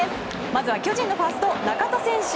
まずは巨人のファースト、中田選手。